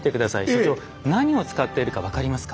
所長何を使っているか分かりますか？